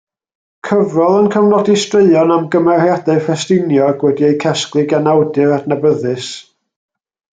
Cyfrol yn cofnodi straeon am gymeriadau Ffestiniog, wedi eu casglu gan awdur adnabyddus.